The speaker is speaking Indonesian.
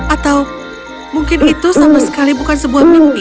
atau mungkin itu sama sekali bukan sebuah mimpi